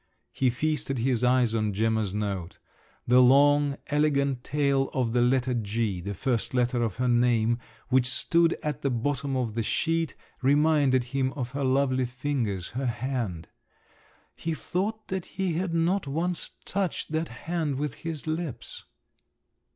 He feasted his eyes on Gemma's note. The long, elegant tail of the letter G, the first letter of her name, which stood at the bottom of the sheet, reminded him of her lovely fingers, her hand…. He thought that he had not once touched that hand with his lips….